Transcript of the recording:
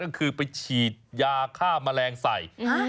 ก็คือไปฉีดยาฆ่าแมลงใส่